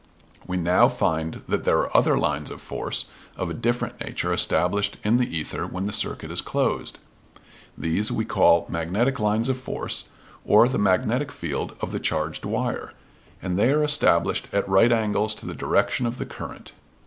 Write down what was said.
We now find that there are other lines of force of a different nature established in the ether when the circuit is closed. These we call magnetic lines of force, or the magnetic field of the charged wire, and they are established at right angles to the direction of the current.